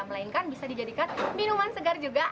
melainkan bisa dijadikan minuman segar juga